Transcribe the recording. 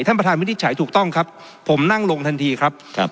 วินิจฉัยถูกต้องครับผมนั่งลงทันทีครับครับ